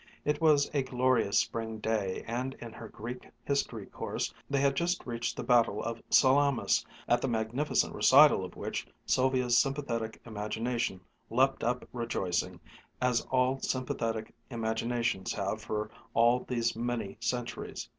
It was a glorious spring day and in her Greek history course they had just reached the battle of Salamis, at the magnificent recital of which Sylvia's sympathetic imagination leaped up rejoicing, as all sympathetic imaginations have for all these many centuries.